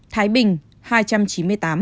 thái bình hai trăm chín mươi tám